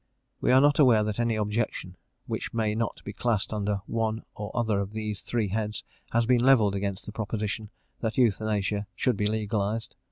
We are not aware that any objection, which may not be classed under one or other of these three heads, has been levelled against the proposition that euthanasia should be legalised.